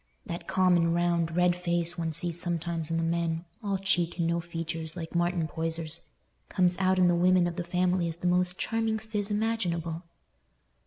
That common, round, red face one sees sometimes in the men—all cheek and no features, like Martin Poyser's—comes out in the women of the family as the most charming phiz imaginable."